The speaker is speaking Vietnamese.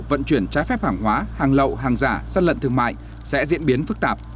vận chuyển trái phép hàng hóa hàng lậu hàng giả sát lận thương mại sẽ diễn biến phức tạp